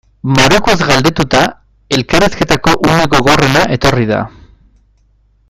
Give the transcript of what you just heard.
Marokoz galdetuta, elkarrizketako une gogorrena etorri da.